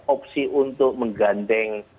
opsi untuk mengganteng